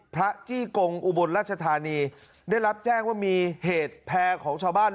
จี้กงอุบลราชธานีได้รับแจ้งว่ามีเหตุแพร่ของชาวบ้าน